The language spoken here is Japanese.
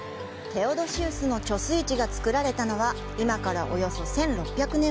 テオドシウスの貯水池が造られたのは今から、およそ１６００年前。